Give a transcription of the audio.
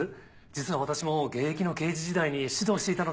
実は私も現役の刑事時代に指導していたので。